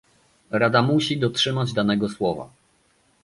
Rada musi dotrzymać danego słowa